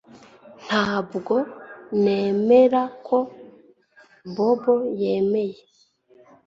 Ntabwo nemera ko Bobo yemeye